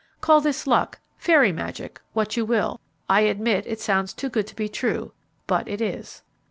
Call this luck, fairy magic, what you will, I admit it sounds too good to be true; but it is.